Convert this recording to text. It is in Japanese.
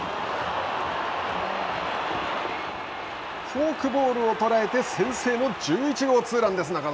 フォークボールを捉えて先制の１１号ツーランです。